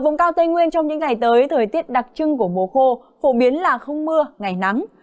vùng cao tây nguyên trong những ngày tới thời tiết đặc trưng của mùa khô phổ biến là không mưa ngày nắng